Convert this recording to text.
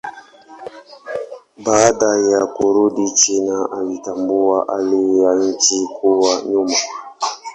Baada ya kurudi China alitambua hali ya nchi kuwa nyuma.